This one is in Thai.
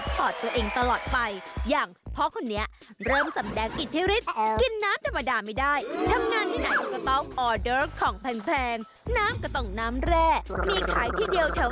โปรดติดตามตอนต่อไป